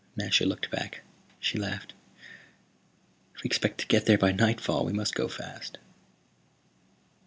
Nasha looked back. She laughed. "If we expect to get there by nightfall we must go fast."